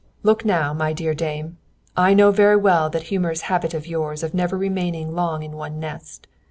"'Look now, my dear dame, I know very well that humorous habit of yours of never remaining long in one nest.